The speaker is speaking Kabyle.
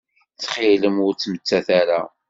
Ttxil-m ur ttmettat ara.